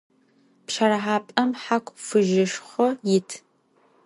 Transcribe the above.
Pşerıhap'em haku fıjışşxo yit.